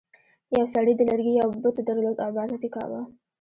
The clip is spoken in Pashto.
یو سړي د لرګي یو بت درلود او عبادت یې کاوه.